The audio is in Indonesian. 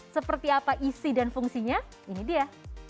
seperti apa isi dan fungsinya ini dia